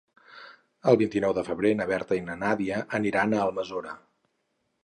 El vint-i-nou de febrer na Berta i na Nàdia aniran a Almassora.